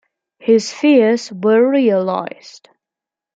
His fears were realized.